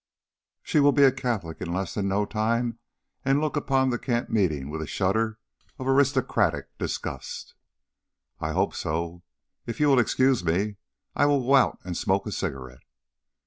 She will be a Catholic in less than no time, and look back upon the camp meeting with a shudder of aristocratic disgust." "I hope so. If you will excuse me I will go out and smoke a cigarette."